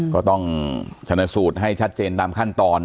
ก็ต้องชนะสูตรให้ชัดเจนตามขั้นตอน